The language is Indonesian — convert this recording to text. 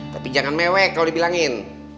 tapi jangan mewek kalau dibilangin